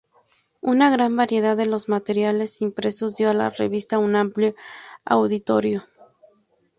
Una gran variedad de los materiales impresos dio a la revista un amplio auditorio.